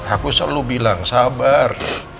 aku selalu bilang sabar